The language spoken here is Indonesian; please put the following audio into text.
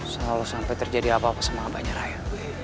sala lu sampe terjadi apa apa sama abahnya raya